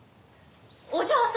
お嬢様！